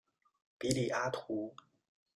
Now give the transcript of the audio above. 比里阿图。